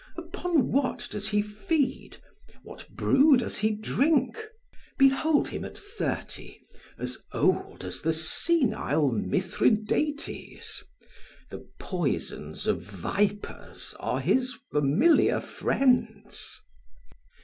Upon what does he feed, what brew does he drink? Behold him at thirty as old as the senile Mithridates; the poisons of vipers are his familiar friends.